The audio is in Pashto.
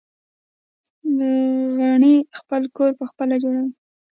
غڼې خپل کور پخپله جوړوي